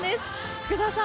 福澤さん